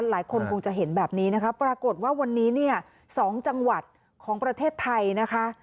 หลายคนคงจะเห็นแบบนี้นะคะปรากฏว่าวันนี้เนี่ย๒จังหวัดของประเทศไทยนะคะ